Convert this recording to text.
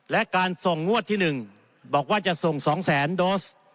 และการส่งงวดที่๑บอกว่าจะส่ง๒แสนโดส